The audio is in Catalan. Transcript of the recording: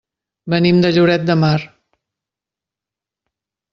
Venim de Lloret de Mar.